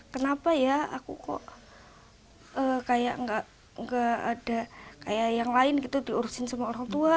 kenapa ya aku kok kayak yang lain diurusin sama orang tua